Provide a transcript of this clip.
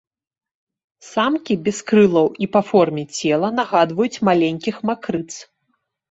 Самкі без крылаў і па форме цела нагадваюць маленькіх макрыц.